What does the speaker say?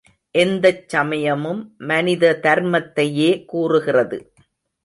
எந்தச் சமயமும் மனித தர்மத்தையே கூறுகிறது.